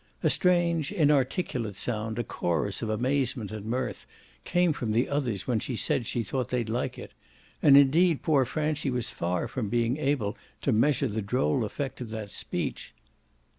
A strange, inarticulate sound, a chorus of amazement and mirth, came from the others when she said she thought they'd like it; and indeed poor Francie was far from being able to measure the droll effect of that speech.